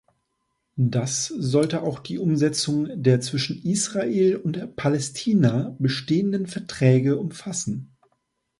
Das sollte auch die Umsetzung der zwischen Israel und Palästina bestehenden Verträge umfassen.